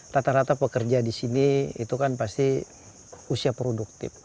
rata rata pekerja di sini itu kan pasti usia produktif